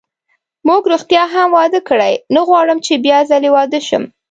موږ ریښتیا هم واده کړی، نه غواړم چې بیا ځلي واده شم.